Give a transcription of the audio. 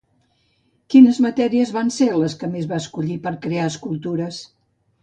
Quines matèries van ser les que més va escollir per a crear escultures?